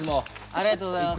ありがとうございます。